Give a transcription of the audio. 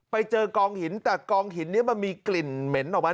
ไปเจอกองหินแต่กองหินนี้มันมีกลิ่นเหม็นออกมา